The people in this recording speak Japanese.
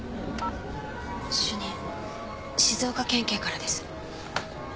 主任静岡県警からです。